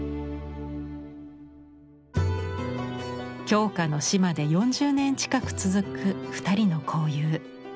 鏡花の死まで４０年近く続く２人の交友。